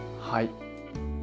はい。